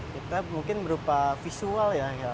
kita mungkin berupa visual ya